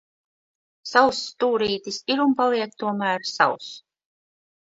Savs stūrītis ir un paliek tomēr savs.